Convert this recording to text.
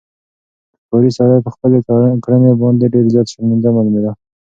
ښکاري سړی په خپلې کړنې باندې ډېر زیات شرمنده معلومېده.